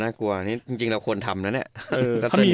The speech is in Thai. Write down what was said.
น่ากลัวจริงเราควรทำนะเนี่ย